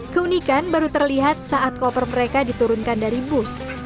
keunikan baru terlihat saat koper mereka diturunkan dari bus